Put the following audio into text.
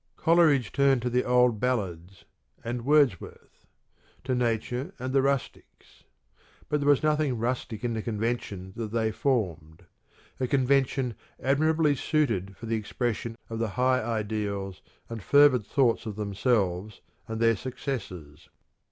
Coleridge turned to the old ballads, and Wordsworth to Nature and the rustics. But there was nothing rustic in the convention that they formed a convention admirably suited for the expression of the high ideals and fervid thoughts of themselves and their successors.